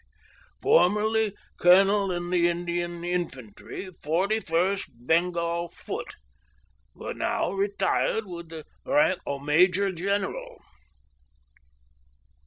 C.' 'formerly colonel in the Indian Infantry, 41st Bengal Foot, but now retired with the rank of major general.'